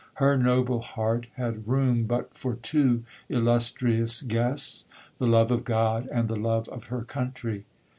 Her noble heart had room but for two illustrious guests—the love of God, and the love of her country.